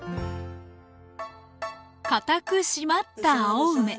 堅く締まった青梅。